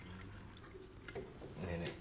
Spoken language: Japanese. ねえねえ